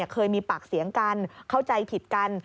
เคยมีปากเสียงกันเข้าใจผิดกัน